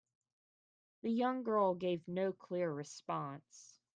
The young girl gave no clear response.